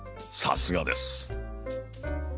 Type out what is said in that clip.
さすがです。